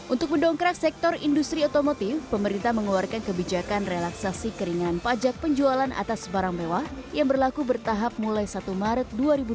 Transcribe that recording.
untuk mendongkrak sektor industri otomotif pemerintah mengeluarkan kebijakan relaksasi keringanan pajak penjualan atas barang mewah yang berlaku bertahap mulai satu maret dua ribu dua puluh